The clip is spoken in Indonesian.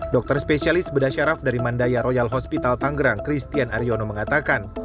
dokter spesialis bedah syaraf dari mandaya royal hospital tanggerang christian aryono mengatakan